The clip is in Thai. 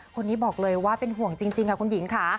คนนี้บอกเลยว่าเป็นห่วงจริงค่ะคุณหญิงค่ะ